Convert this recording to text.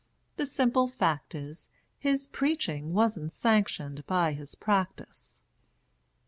The simple fact is, His preaching wasn't sanctioned by his practice.